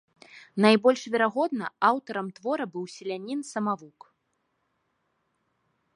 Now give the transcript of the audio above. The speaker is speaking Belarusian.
Найбольш верагодна, аўтарам твора быў сялянін-самавук.